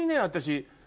私。